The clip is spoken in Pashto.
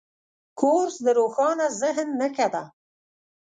کورس د روښانه ذهن نښه ده.